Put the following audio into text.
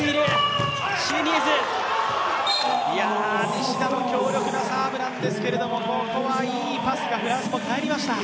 西田の強力なスパイクなんですけどもここはいいパスが、フランスも返りました。